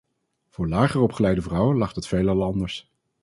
Voor lager opgeleide vrouwen lag dat veelal anders.